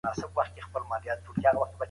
ایا په ازاده فضا کي ساه اخیستل ذهن روښانه کوي؟